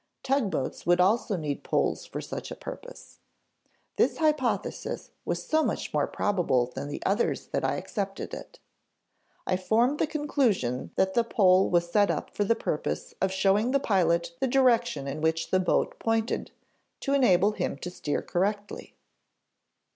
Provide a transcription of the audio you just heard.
Tugboats would also need poles for such a purpose. This hypothesis was so much more probable than the others that I accepted it. I formed the conclusion that the pole was set up for the purpose of showing the pilot the direction in which the boat pointed, to enable him to steer correctly."